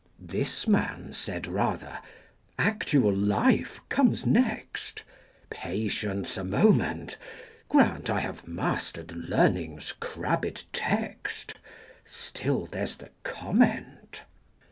This man said rather, "Actual life comes next? Patience a moment! Grant I have mastered learning's crabbed text, Still there's the comment.